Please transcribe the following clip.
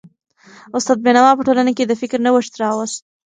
استاد بينوا په ټولنه کي د فکر نوښت راوست.